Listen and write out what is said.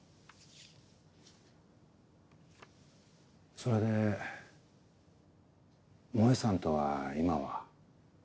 それで萌さんとは今は？